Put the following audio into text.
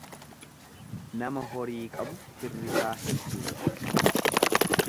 Nama horii qabu firrisaa hedduudha.